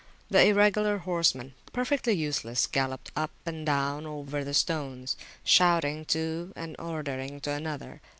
The Irregular horsemen, perfectly useless, galloped up and down over the stones, shouting to and ordering one another.